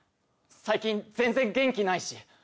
最近全然元気ないし。